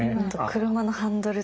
車のハンドル？